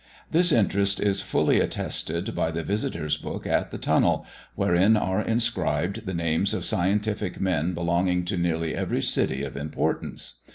This interest is fully attested by the visitors' book at the Tunnel, wherein are inscribed the names of scientific men belonging to nearly every city of importance.